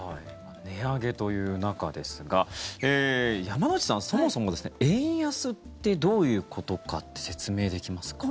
値上げという中ですが山之内さん、そもそも円安ってどういうことかって説明できますか？